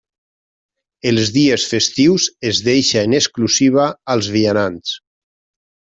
Els dies festius es deixa en exclusiva als vianants.